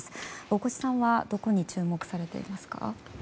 大越さんはどこに注目されていますか。